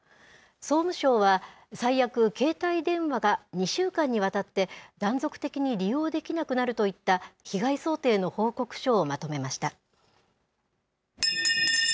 総務省は、最悪、携帯電話が２週間にわたって断続的に利用できなくなるといった被害想定の報告書をまとめました。